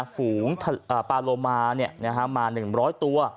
ฝูงปาโลมามา๑๐๐ตัว